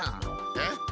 えっ？